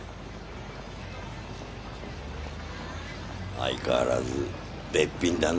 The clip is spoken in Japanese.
相変わらず別嬪だな